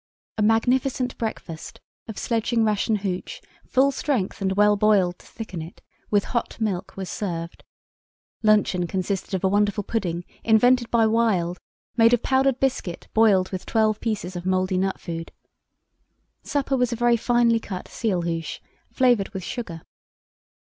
A "magnificent breakfast" of sledging ration hoosh, full strength and well boiled to thicken it, with hot milk was served. Luncheon consisted of a wonderful pudding, invented by Wild, made of powdered biscuit boiled with twelve pieces of mouldy nut food. Supper was a very finely cut seal hoosh flavoured with sugar.